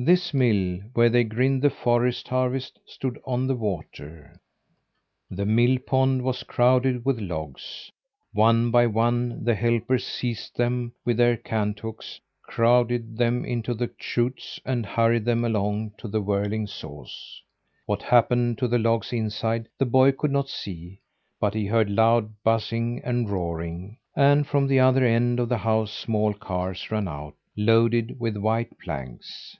This mill, where they grind the forest harvest, stood on the water. The mill pond was crowded with logs. One by one the helpers seized them with their cant hooks, crowded them into the chutes and hurried them along to the whirling saws. What happened to the logs inside, the boy could not see, but he heard loud buzzing and roaring, and from the other end of the house small cars ran out, loaded with white planks.